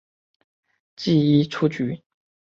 记一出局。